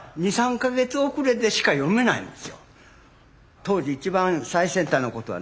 当時一番最先端のことがね